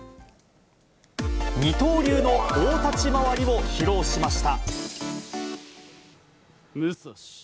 二刀流の大立ち回りを披露しました。